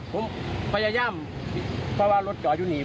ผมพยายามเพราะว่ารถจอดอยู่หนี